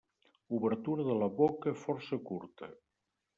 Obertura de la boca força curta.